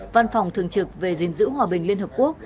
văn phòng thường trực về gìn giữ hòa bình liên hợp quốc